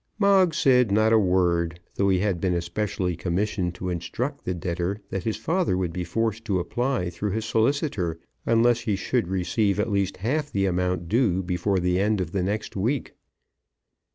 Moggs said not a word, though he had been especially commissioned to instruct the debtor that his father would be forced to apply through his solicitor, unless he should receive at least half the amount due before the end of the next week.